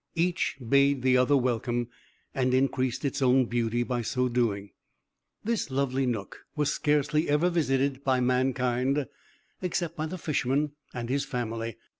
Each bade the other welcome, and increased its own beauty by so doing. This lovely nook was scarcely ever visited by mankind, except by the Fisherman and his family.